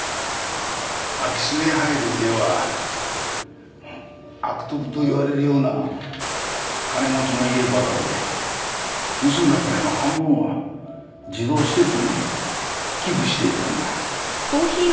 空き巣に入る家は悪徳と言われるような金持ちの家ばかりで盗んだ金の半分は児童施設に寄付していたんだ。